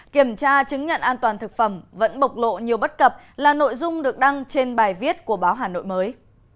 kiểm tra chứng nhận an toàn thực phẩm vẫn bộc lộ nhiều bất cập là nội dung được đăng trên bài viết của báo hà nội mới